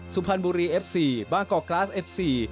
สุพรรณบุรีเอฟซีบางกอกกราสเอฟซี